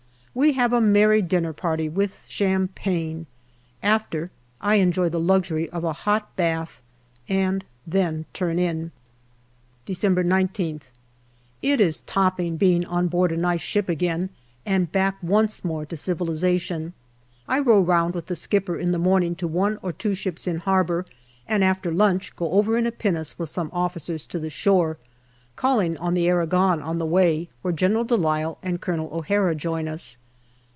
We have a merry dinner party with champagne. After, I enjoy the luxury of a hot bath and then turn in. December I9th. It is topping being on board a nice ship again and back once more to civilization. I row round with the skipper in the morning to one or two ships in harbour, and after lunch go over in a pinnace with some officers to the shore, calling on the Aragon on the way, where General de Lisle and Colonel O'Hara join us.